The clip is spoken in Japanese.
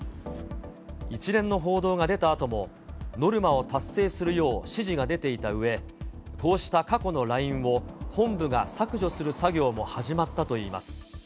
一連の報道が出たあとも、ノルマを達成するよう指示が出ていたうえ、こうした過去のＬＩＮＥを本部が削除する作業も始まったといいます。